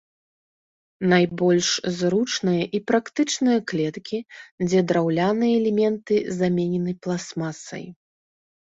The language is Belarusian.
Найбольш зручныя і практычныя клеткі, дзе драўляныя элементы заменены пластмасай.